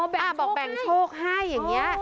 อ๋อแบ่งโชคให้อ๋อบอกแบ่งโชคให้อย่างนี้